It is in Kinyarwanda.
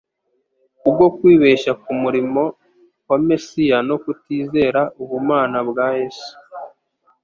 Kubwo kwibeshya ku murimo wa Mesiya no kutizera ubumana bwa Yesu,